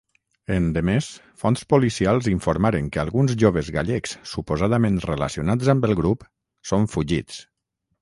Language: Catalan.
Endemés, fonts policials informaren que alguns joves gallecs suposadament relacionats amb el grup són fugits.